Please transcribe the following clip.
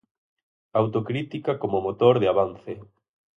Autocrítica como motor de avance.